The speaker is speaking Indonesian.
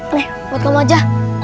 nih buat kamu aja